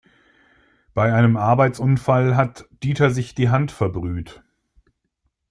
Bei einem Arbeitsunfall hat Dieter sich die Hand verbrüht.